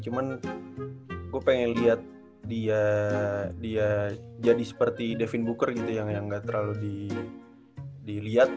cuman gue pengen liat dia jadi seperti devin booker gitu yang nggak terlalu diliat